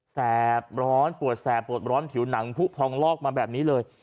แสบร้อนปวดแสบปวดร้อนผิวหนังผู้พองลอกมาแบบนี้เลย